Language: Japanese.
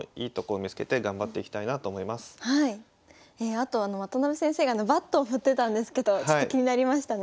あと渡辺先生がバットを振ってたんですけどちょっと気になりましたね。